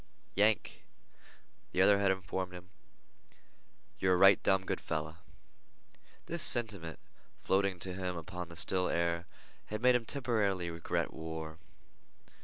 "Yank," the other had informed him, "yer a right dum good feller." This sentiment, floating to him upon the still air, had made him temporarily regret war.